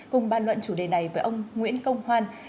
cùng bàn luận chủ đề này với ông nguyễn công hoan